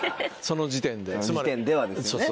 その時点ではですよね。